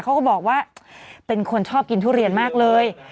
เขาก็บอกว่าเป็นคนชอบกินทุเรียนมากเลย